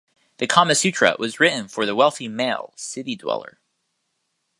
The "Kama Sutra" was written for the wealthy male city-dweller.